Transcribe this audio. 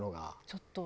「ちょっと」。